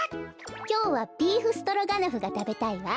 きょうはビーフストロガノフがたべたいわ。